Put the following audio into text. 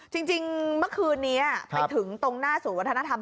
จริงเมื่อคืนนี้ไปถึงตรงหน้าศูนย์วัฒนธรรม